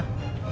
masalah itu pak